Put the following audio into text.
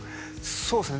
そうっすね